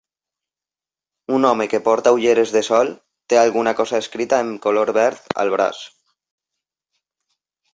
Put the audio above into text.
Un home que porta ulleres de sol té alguna cosa escrita en color verd al braç.